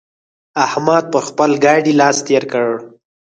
احمد پر خپل ګاډي لاس تېر کړ.